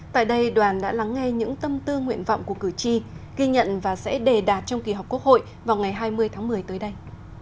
tại đây đoàn đã lắng nghe những tâm tư nguyện vọng của cử tri ghi nhận và sẽ đề đạt trong kỳ họp quốc hội vào ngày hai mươi tháng một mươi tới đây